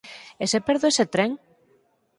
E se perdo ese tren?